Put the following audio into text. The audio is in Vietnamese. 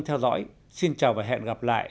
theo dõi xin chào và hẹn gặp lại